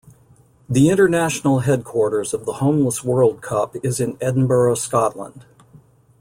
The international headquarters of the Homeless World Cup is in Edinburgh, Scotland.